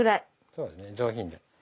そうですね上品で。